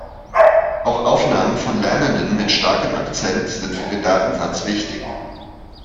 Auch Aufnahmen von Lernenden mit starkem Akzent sind für den Datensatz wichtig.